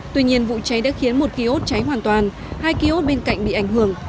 tuy nhiên vụ cháy đã khiến một kiosk cháy hoàn toàn hai kiosk bên cạnh bị ảnh hưởng